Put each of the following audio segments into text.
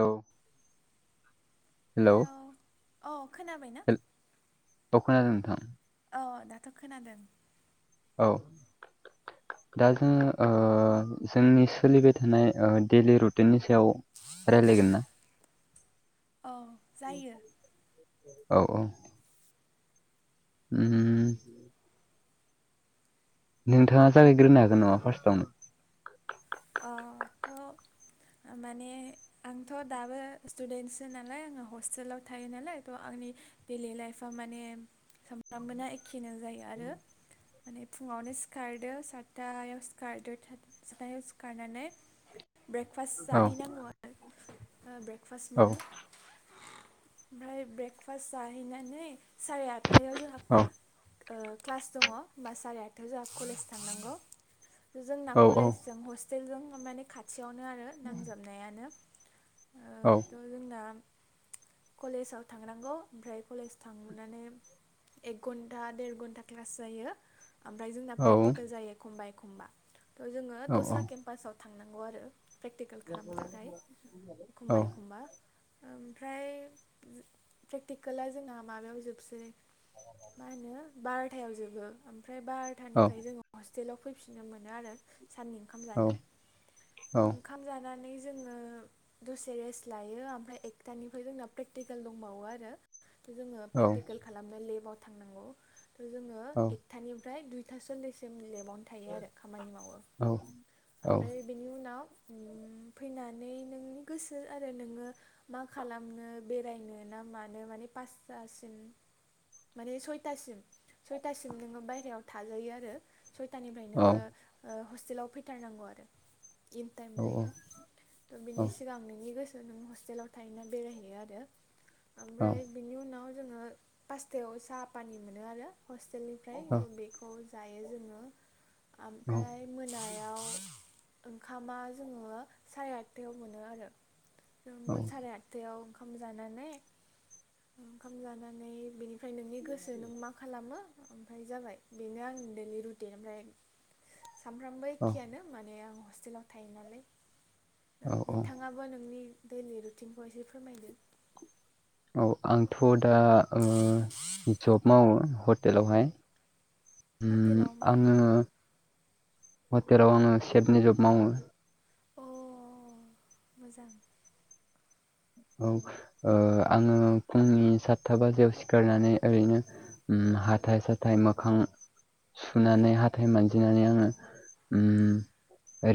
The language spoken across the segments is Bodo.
औ हेलौ अ खोनाबाय ना हेल औ खोनादों नोंथां औ दाथ' खोनादों औ दा जोङो जोंनि सोलिबाय थानाय डैलि रुटिननि सायाव रायज्लायगोन ना औ जायो औ औ उम उम नोंथाङा जागायग्रोनो हागोन नामा फार्स्टआवनो अ थ' माने आंथ' दाबो स्टुडेन्टसो नालाय आङो हस्टेलाव थायो नालाय थ' आंनि डैलि लाइफआ माने सामफ्रामबो ना एखेनो जायो आरो माने फुङावनो सिखारदो सातथायाव सिखारदो सातथायाव खारनानै ब्रेकफास्ट औ जाहैनांगौ आरो ब्रेकफास्ट औ मोनो ओमफ्राय ब्रेकफास्ट जाहैनानै सारिआत्तायाव जोहा औ क्लास दङ बा साराय आटायाव जोंहा कलेज थांनांगौ जोंना औ औ कलेजजों हस्टेलजों मानि खाथियावनो आरो नांजाबनायानो ओ औ थ' जोंना कलेजाव थांनांगौ ओमफ्राय कलेज थांनानै एक घन्टा देर घन्टा क्लास जायो ओमफ्राय जोंना औ प्रेकटिकेल जायो एखमबा एखमबा थ' जोङो औ दस्रा केम्पासाव थांनांगौ आरो प्रेक्टिकेल खालामनो थाखाय औ एखमबा एखमबा ओमफ्राय प्रेक्टिकेला जोंना माबायाव जोबसै मा होनो बार'थायाव जोबो ओमफ्राय बार टानिफ्राय जोङो हस्टेलाव फैफिननो मोनो आरो साननै ओंखाम जानो ओंखाम जानानै जोङो दसे रेस्ट लायो ओमफ्राय एकथानिफ्राय जोंना प्रेकटिकेल दंबावो आरो जोङो प्रेकटिकेल खालामनो लेबाव थांनांगौ थ' जोङो एकथानिफ्राय दुइथा सललिससिम लेबावनो थायो आरो खामानि मावो औ ओमफ्राय बेनि उनाव फैनानै नोंनि गोसो आरो नोङो मा खालामनो बेरायनो ना मानो माने पासथासिम माने सयथासिम सयथासिम नोङो बायहेरायाव थाजायो आरो सयथानिफ्राय नोङो हस्टेलाव फैथारनांगौ आरो इन टाइम जायो थ' बिनि सिगां नोंनि गोसो नों हस्टेलाव थायोना बेरायहैयो आरो ओमफ्राय बिनि उनाव जोङो पासथायाव साहा पानि मोनो आरो हस्टेलनिफ्राय बेखौ जायो जोङो ओमफ्राय मोनायाव याव ओंखामा जोङो साराय आटथायाव मोनो आरो जोंङो साराय आठथायाव ओंखाम जानानै ओंखाम जानानै बेनि फ्राय नोंनि गोसो नों मा मा खालामो ओमफ्राय जाबाय बेनो आं दैलि रुटिन ओमफ्राय सानफ्रामबो एखेयानो माने आं हस्टेलाव थायो नालाय औ औ नोंथाङाबो बो नोंनि दैलि रुटिनखौ एसे फोरमायदो औ आंथ' दा जब मावो हटेलावहाय हटेलाव मा आङो हटेलाव आङो सेफनि जब मावो अ मोजां औ आङो फुंनि सातथा बाजियाव सिखारनानै ओरैनो उम हाथाय साथाय मोखां सुनानै हाथाय मानजिनानै आङो उम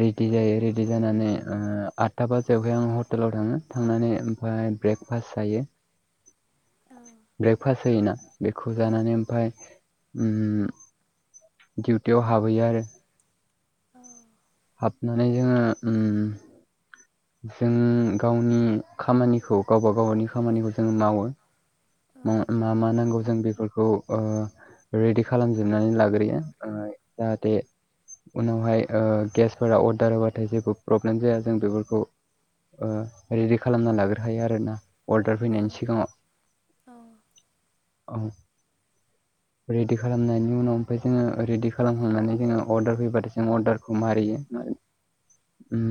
रेडि जायो रेडि जानानै ओ आदथा बाजायावहाय आं हटेलाव थाङो थांनानै ओमफ्राय ब्रेकफास्ट जायो औ ब्रेकफास्ट होयोना बेखौ औ जानानै ओमफ्राय उम दिउटियाव हाबहैयो आरो औ ओमफाय जोङो उम जोङो गावनि खामानिखौ गावबा गावनि खामानिखौ जोङो मावो मा मा नांगौ जों बेफोरखौ ओ रेडि खालामजोबनानै लाग्रोयो ओ जाहाथे उनावहाय ओ गेसफोरा अर्डार होबाथाय जेबो प्रब्लेम जाया जों बेफोरखौ ओ रेडि खालामना लाग्रो खायो आरोना अर्डार औ फैनायनि सिगाङाव औ औ रेडि खालामनायनि उनाव ओमाय जोङो रेडि खालामखांनानै जोङो अर्डार फैबाथाय जों अर्डारखौ मारियो उम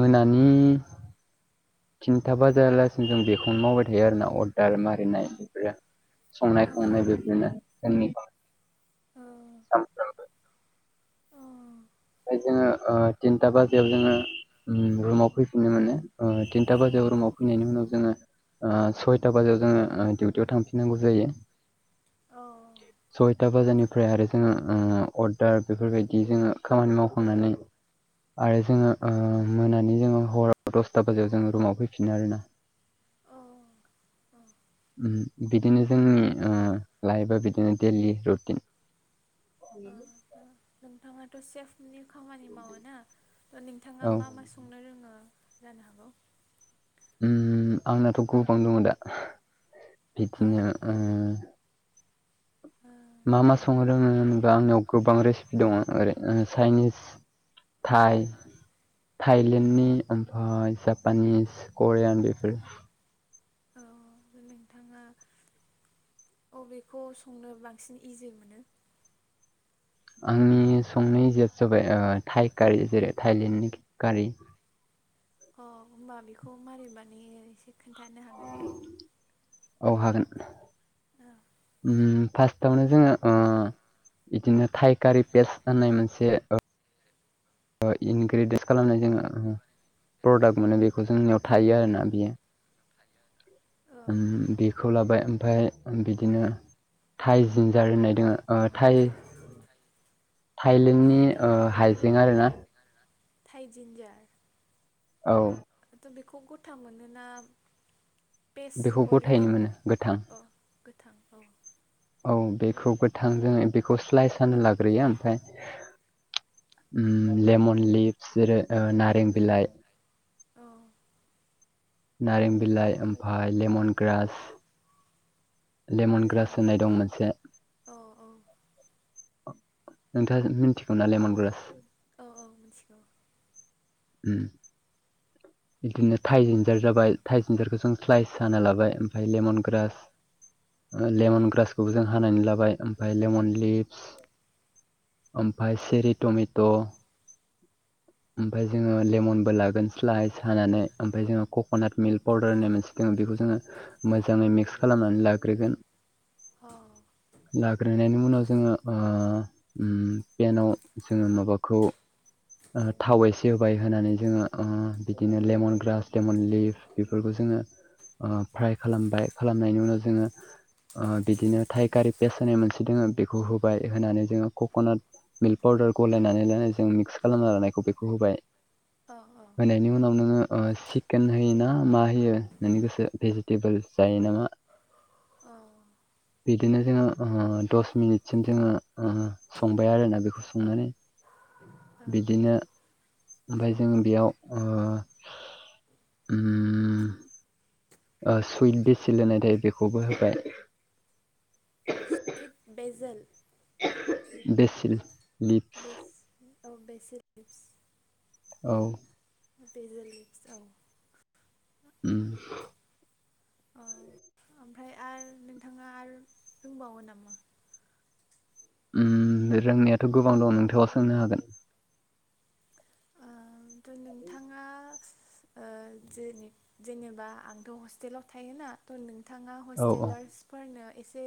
मोनानि थिनथा बाजायालासिनो जों बेखौनो मावबाय थायो आरोना अर्दार मारिनाय बेफोरो संनाय औ खावनाय बेफोरनो जोंनि खामा औ ओमफाय जोङो ओ तिनथा बाजियाव जोङो उम रुमाव फैफिननो मोनो ओ थिनथा बाजायाव रुमाव फैनायनि उनाव जोङो ओ सयथा बाजायाव जोङो ओ डिउटियाव थांफिननांगौ जायो औ सय सयथा बाजारनिफ्राय आरो जोङो ओ अर्डार बेफोरबायदि जोङो खामानि मावखांनानै आरो जोङो ओ मोनानि जोङो हराव दसथा बाजायाव जोङो रुमाव फैफिनो आरोना अ उम बिदिनो जोंनि ओ लाइफा बिदिनो देलि रुटिन ओ दा [inaudible] नोंथाङाथ' सेफनि खामानि मावो ना नोंथाङा औ मा मा सं नो रोङो जानो हागौ उम आंनाथ' गोबां दङ दा हो बिदिनो ओ मा मा संनो रोङो होनबा आंनियाव गोबां रेसिपि दङ ओरै चाइनिस थाइ थाइलेण्डनि ओमफ्राय जापानिस करियान बेफोर औ नोंथा ङा अबेखौ संनो बांसिन इजि मोनो? आंनि संनाय जोब जाबाय ओ थाइकारि जेरै थाइलेण्डनि कारि अ होमबा बेखौ मारि माने एसे खोन्थानो हागोन औ हागोन ओ उम फार्स्टावनो जोङो ओ बिदिनो थाइ कारि पेस्ट होननाय मोनसे ओ ओ इनग्रेडे खालामनाय जोङो प्रडाक्ट मोनो बेखौ जोंनियाव ओ थायो आरोना बियो आरोना औ उम बेखौ लाबाय ओमफ्राय बिदिनो थाइ जिनजार होननाय दोङो ओ थाइ थाइलेण्डनि ओ हाइजें आरोना थाइजीन्जार औ दाथ' बेखौ गथा मोनोना पेस् बेखौ अलरेडि गथायैनो मोनो गोथां अ गोथां औ औ बेखौ गोथां जों बेखौ स्लायस जानो लाग्रोयो ओमफ्राय लेमन लिभस जेरै नारें बिलाइ औ नारें बिलाइ ओमफाय लेमन ग्रास लेमन ग्रास होननाय दं मोनसे [unintelligible] अ औ नोंथाङा मिथिगौ ना लेमन ग्रास औ औ मिथिगौ उ बिदिनो थाइजिन्जार जाबाय थाइजिन्जारखौ जों स्लाइस हाना लाबाय ओमफ्राय लेमन ग्रास औ औ लेमन ग्रासखौबो जों हानानै लाबाय ओमफाय लेमन लिबस ओमफाय सेरि टमेट' ओमफाय जोङो लेमनबो लागोन स्लाइस हानानै ओमफाय जोङो कक'नाट मिल्क पाउदार होननाय मोनसे जों बेखौ जोङो मोजाङै मिक्स खालामनानै लाग्रोगोन अ लाग्रोनायनायनि उनाव जोङो पेनाव जोङो माबाखौ थाव एसे होबाय होनानै जोङो बिदिनो लेमन ग्रास लेमन लिफ बेफोरखौ जोङो फ्राय खालामबाय खालामनायनि उनाव जोङो बिदिनो थाइखारि पेस होनाय मोनसे दोङो बेखौ होबाय होनानै जोङो कक'नाट मिल्क पाउदार गलायनानै लानायजों मिक्स खालामना लानायखौ बेखौ होबाय अ अ होनायनि उनाव नोङो चिकेन होयोना मा होयो नोंनि गोसो भेजिटेबोल जायो ना मा [inaudible] औ बिदिनो जोङो दस मिनिटसिम जोङो संबाय आरोना बेखौ संनानै [unintelligible] बिदिनो ओमफाय जों बेयाव [unintelligible] सुइट बेसिल होननाय थायो बेखौबो होबाय सुइत बेजोल बेसिल लिभस बेसिल औ बेसिल लिभस औ बेजोलिभस औ उ औ ओमफ्राय आरो नोंथाङा आरो रोंबावो नामा रोंनायाथ' गोबां दं नोंथाङा सोंनो हागोन दा नोंथाङा जेनि जेनेबा आंथ' हस्टेलाव थायोना थ' नोंथाङा औ हस्टेलार्सफोरनो एसे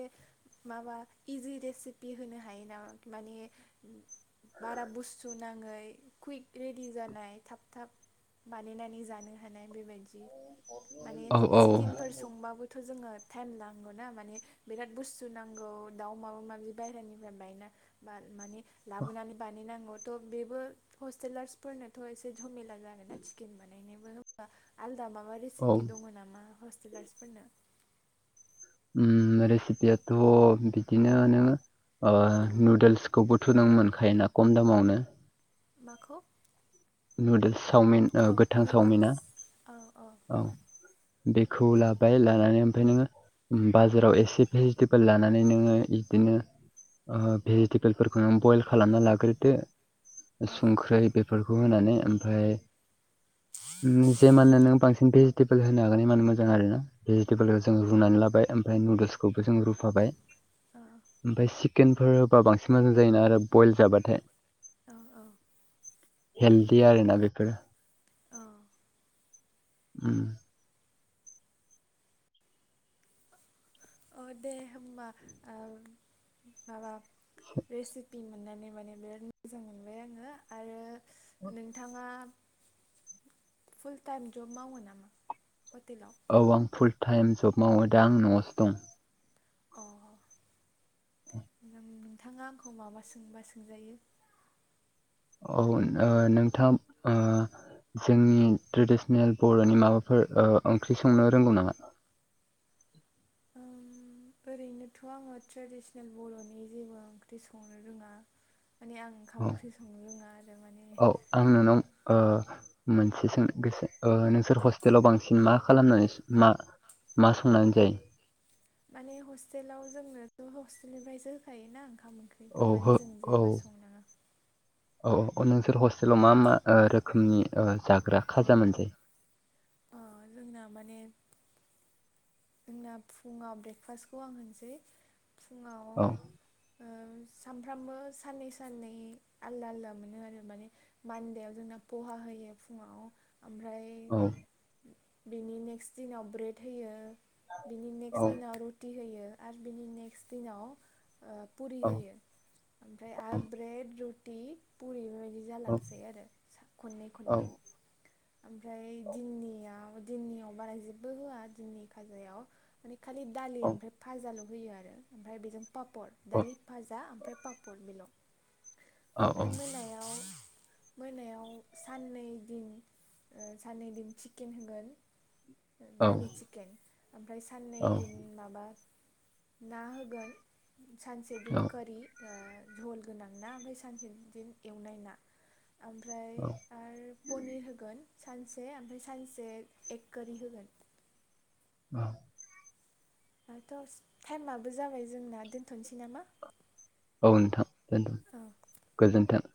माबा इजि रेसिपि होनो हायो नामा माने बारा बुस्थु नाङै कुइक रेडि जानाय थाब थाब बानायनानै जानो हानाय बेबायदि माने औ चिकेनफोर औ संबाबोथ' जोङो टाइम नांगौ ना माने बिराद बुस्थु नांगौ दाउ माबा माबि बाहेरानिफ्राय बायना मान माने लाबोनानै बानायनांगौ थ' बेबो हस्टेलार्सफोरनोथ' एसे झामेला जा ना चिकेन बानायनायबो आलदा माबा औ रेसिपि दङ नामा हस्टेलार्सफोरनो उम रेसिपियाथ' बिदिनोआनो ओ नुदोल्सखौबोथ' नों मोनखायोना खम दामावनो माखौ नुदोल्स सावमिन ओ औ गोथां नुदोल्स सावमिना औ अ औ बेखौ लाबाय लानानै ओमफ्राय नोङो बाजाराव एसे भेजिटेबोल लानानै नोङो इदिनो ओ भेजिटेबोलफोरखौ नों बयल खालामना लाग्रोदो औ संख्रै बेफोरखौ होनानै ओमफाय उम जे मानो नों बांसिन भेजिटेबोल होनो हागोना एमाननो मोजां आरोना भेजिटेबोलखौ जों रुनानै लाबाय ओमफाय नुदोल्स खौबो जों रुफाबाय औ ओमफ्राय चिकेनफोर होबा बांसिन मोजां जायोना आरो बयल जाबाथाय औ औ हेलदि आरोना बेफोर अ उम औ दे होमबा ओम माबा रेसिपि मोननानै माने बिराद मोजां मोनबाय आङो आरो नोंथाङा फुल टाइम जब मावो नामा हटेलाव? औ आं फुल टाइम जब मावो दा आं न'आवसो दं अ नोंथाङा आंखौ माबा सोंबा सोंजायो अ ओ नोंथां ओ जोंनि ट्रेडिसनेल बर'नि माबाफोर ओंख्रि संनो रोंगौ नामा? ओम ओरैनोथ' आङो ट्रेडिसनेल बर'नि जेबो ओंख्रि संनो रोङा माने आं ओंखाम औ ओंख्रि संनो रोङा आरो माने औ आं नोंनाव ओ मोनसे सों गोसो नोंसोर हस्टेलाव बांसिन मा खालामनानै मा मा संनानै जायो माने हस्टेलाव जोंनोथ' हस्टेलनिफ्रायसो होखायोना ओंखाम ओंख्रि औ हो औ औ औ औ नोंसोर हस्टेलाव मा मा रोखोमनि जाग्रा खाजा मोनजायो अ जोंना माने जोंना फुङाव ब्रेकफास्टखौ आं होननोसै फुङाव ओ औ सामफ्रामबो साननै साननै आलदा आलदा मोनो आरो माने मानदेयाव जोंना पहा होयो फुङाव ओमफ्राय औ बिनि नेक्स्ट दिनाव ब्रेड होयो बिनि औ नेकस्ट दिनाव रुटि होयो आरो बिनि नेकस्ट दिनाव ओ पुरि औ होयो ओमफ्राय आर ब्रेड रुटि पुरि बायदि औ जालांसै आरो खननै औ खननै औ ओमफ्राय दिननियाव दिननियाव बारा जेबो होआ दिननि खाजायाव माने खालि दालि ओमफ्राय भाजाल' होयो आरो ओमफ्राय बेजों पापर औ दालि भाजा आमफ्राय पापर बिल' औ औ ओमफ्राय मोनायाव मोनायाव साननै दिन ओ साननै दिन चिकेन होगोन औ दालि चिकेन आमफ्राय साननै औ दिन माबा ना होगोन सानसे दिन औ करि ओ झल गोनां ना ओमफ्राय सानसे बिदि एवनाय ना ओमफ्राय औ आरो पनिर होगोन सानसे ओमफ्राय सानसे एक कोरि होगोन [inaudible] दाथ' टाइमाबो जाबाय जोंना दोनथ'नोसै नामा औ नोंथां दोनथ' औ गोजोनथों